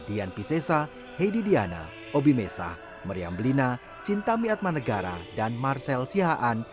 dian piscesa heidi diana obi mesa meriam belina cinta miatmanegara dan marcel sihaan